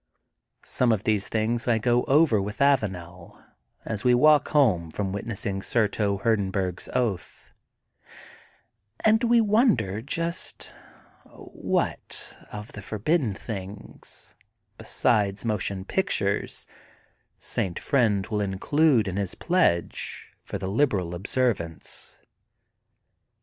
Some of these things I go over with Avanel, as we walk home from witnessing Surto Hur denburg^s oath, and we wonder just what of the forbidden things, besides motion pictures, St, Friend will include in his pledge for the Liberal Observance.